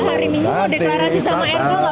pak hariming mau deklarasi sama erdal apa